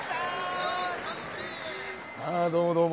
ああどうもどうも。